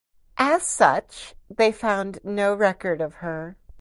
As such, they found no record of her.